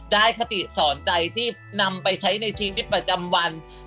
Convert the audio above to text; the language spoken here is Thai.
คติสอนใจที่นำไปใช้ในชีวิตประจำวัน